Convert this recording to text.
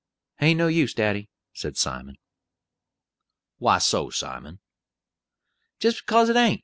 "It ain't no use, daddy," said Simon. "Why so, Simon?" "Jist bekase it ain't.